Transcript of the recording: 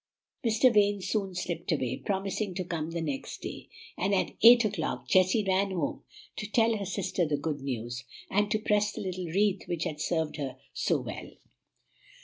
Mr. Vane soon slipped away, promising to come the next day; and at eight o'clock Jessie ran home to tell her sister the good news, and to press the little wreath which had served her so well.